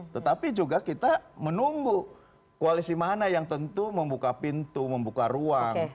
tetapi juga kita menunggu koalisi mana yang tentu membuka pintu membuka ruang